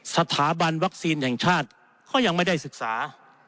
สถาบันวัคซีนแห่งชาติก็ยังไม่ได้ศึกษา